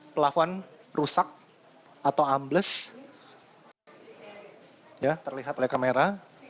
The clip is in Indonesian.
plafon rusak atau ambles ya terlihat oleh kamera